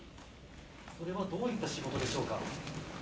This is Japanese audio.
それはどういった仕事でしょうか。